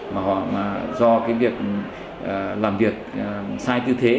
mà do cái việc làm việc sai tư thế